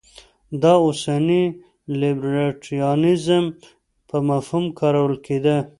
دا اوسني لیبرټریانیزم په مفهوم کارول کېده.